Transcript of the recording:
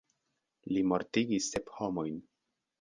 Li mortigis sep homojn.